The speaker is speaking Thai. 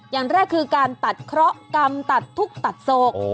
อย่างแรกคือการตัดเคราะห์กรรมตัดทุกข์ตัดโศก